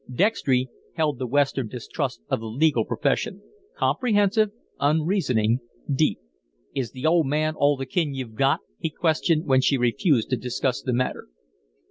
Dextry held the Western distrust of the legal profession comprehensive, unreasoning, deep. "Is the old man all the kin you've got?" he questioned, when she refused to discuss the matter.